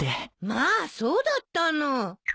まあそうだったの。